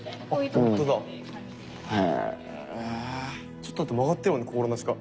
ちょっとだって曲がってるもんね心なしか。